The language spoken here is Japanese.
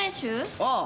ああ。